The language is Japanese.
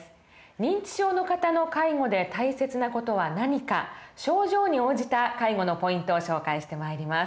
認知症の方の介護で大切な事は何か症状に応じた介護のポイントを紹介してまいります。